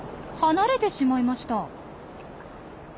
離れてしまいました。